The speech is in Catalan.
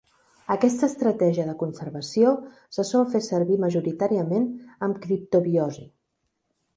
Aquesta estratègia de conservació se sol fer servir majoritàriament en criptobiosi.